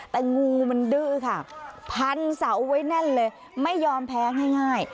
แต่งูมันดื้อค่ะพันเสาไว้แน่นเลยไม่ยอมแพ้ง่าย